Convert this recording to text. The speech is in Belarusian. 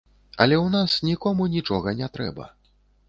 Але ў нас нікому нічога не трэба.